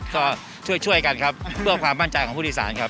ก็ช่วยกันครับเพื่อความมั่นใจของผู้โดยสารครับ